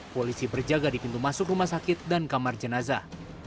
polisi berjaga di pintu masuk rumah sakit dan kamar jenazah